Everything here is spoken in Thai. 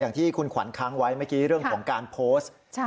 อย่างที่คุณขวัญค้างไว้เมื่อกี้เรื่องของการโพสต์